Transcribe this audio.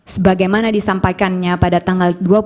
sebagaimana disampaikannya pada tanggal